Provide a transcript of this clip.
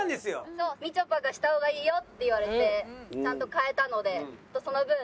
そうみちょぱにした方がいいよって言われてちゃんと替えたのでその分背負って走ります。